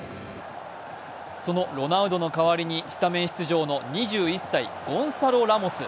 そのロナウドの代わりにスタメン出場の２１歳、ゴンサロ・ラモス。